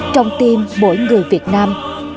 trong tim mỗi người việt nam